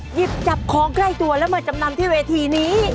หยิบจับของใกล้ตัวแล้วมาจำนำที่เวทีนี้